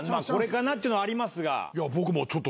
これかなっていうのはありますが。